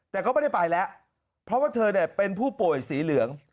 แต่ก็ไม่ได้ไปแล้วเพราะว่าเธอเป็นผู้ป่วยสีเหลือง